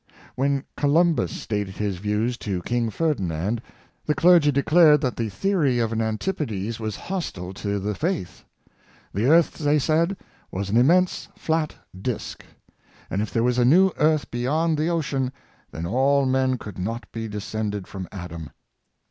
When Columbus stated his views to King Ferdinand the clergy declared that the theory of an antipodes was hostile to the faith. The earth, they said, was an im mense flat disc; and if there was a new earth beyond 29 450 Persecutio7i of Great Discoverers, the ocean, then all men could not be descended from Adam.